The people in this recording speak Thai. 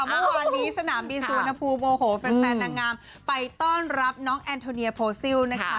เมื่อวานนี้สนามบินสุวรรณภูมิโมโหแฟนนางงามไปต้อนรับน้องแอนโทเนียโพซิลนะคะ